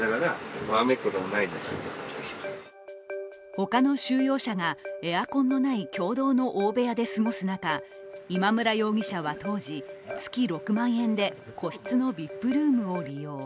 他の収容者がエアコンのない共同の大部屋で過ごす中、今村容疑者は当時、月６万円で個室のＶＩＰルームを利用。